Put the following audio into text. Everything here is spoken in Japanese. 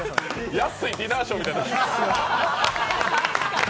安いディナーショーみたいになってる。